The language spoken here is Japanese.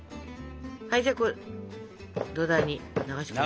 はいじゃあ土台に流し込みます。